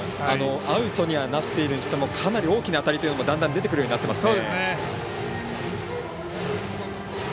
アウトになっているにしてもかなり大きな当たりというのもだんだん出てくるようになっていますね。